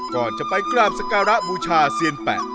ก่อนจะไปกราบสการะบูชาเซียนแปะ